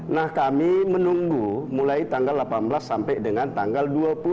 nah kami menunggu mulai tanggal delapan belas sampai dengan tanggal dua puluh